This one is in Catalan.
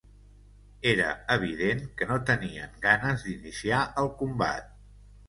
Era evident que no tenien ganes d'iniciar el combat